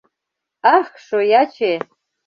Ах, шояче!